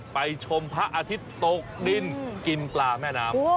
ไปชมพระอาทิตย์ตกดิ้นกินปลามล่าแม่นาม